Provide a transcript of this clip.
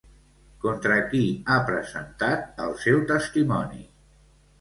Contra qui ha presentat el seu testimoni?